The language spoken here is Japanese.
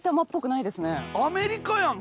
アメリカやん